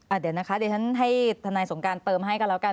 เดี๋ยวนะคะเดี๋ยวฉันให้ทนายสงการเติมให้กันแล้วกัน